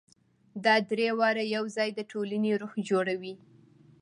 دا درې واړه یو ځای د ټولنې روح جوړوي.